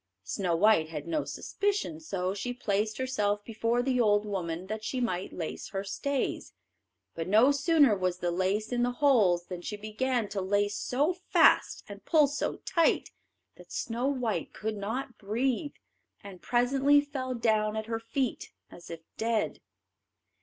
Snow white had no suspicion, so she placed herself before the old woman that she might lace her stays. But no sooner was the lace in the holes than she began to lace so fast and pull so tight that Snow white could not breathe, and presently fell down at her feet as if dead.